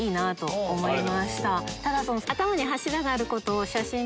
ただ。